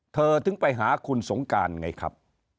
ถึงไปหาคุณสงการไงครับ